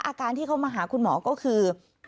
อาการที่เขามาหาคุณหมอก็คือ